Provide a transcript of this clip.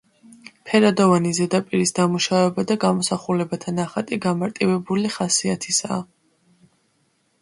ფერადოვანი ზედაპირის დამუშავება და გამოსახულებათა ნახატი გამარტივებული ხასიათისაა.